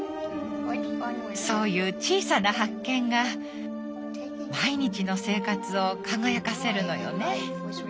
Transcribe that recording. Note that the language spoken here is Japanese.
そういう小さな発見が毎日の生活を輝かせるのよね。